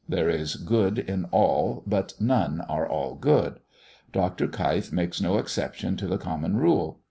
There is good in all, but none are all good. Dr. Keif makes no exception to the common rule.